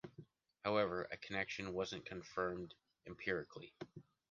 However, a connection wasn't confirmed empirically.